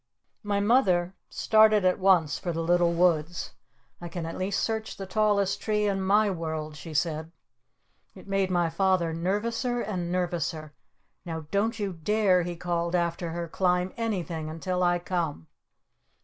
My Mother started at once for the Little Woods. "I can at least search the Tallest Tree in my world!" she said. It made my Father nervouser and nervouser. "Now don't you dare," he called after her, "climb anything until I come!"